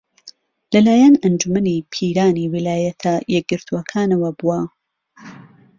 لەلایەن ئەنجوومەنی پیرانی ویلایەتە یەکگرتووەکانەوە بووە